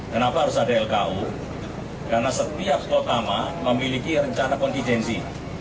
kenapa harus ada lku karena setiap kotama memiliki rencana kontidensi